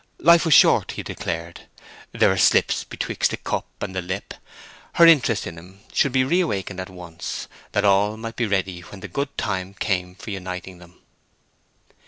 Life was short, he declared; there were slips betwixt the cup and the lip; her interest in him should be reawakened at once, that all might be ready when the good time came for uniting them.